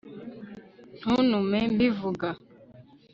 ntuntume mbivuga